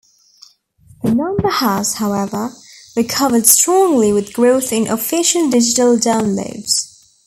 The number has, however, recovered strongly with growth in official digital downloads.